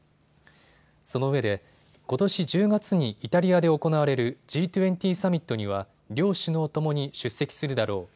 そのうえでことし１０月にイタリアで行われるＧ２０サミットには両首脳ともに出席するだろう。